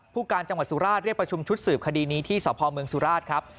ผู้การจังหวัดสุราชเรียกประชุมชุดสืบคดีนี้ที่สพเมืองสุราชครับ